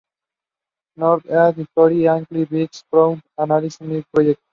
North East History article by Keith Proud, Alan Myers Project